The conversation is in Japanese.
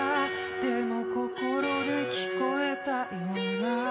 「でも心で聞こえたような」